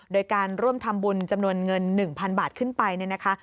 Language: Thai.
โดยการร่วมทำบุญจำนวนเงิน๑๐๐๐บาทขึ้นไปเนี่ยนะคะ